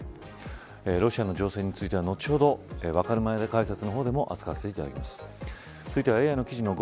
ロシアの情勢については後ほどわかるまで解説の方でも扱わせていただきます。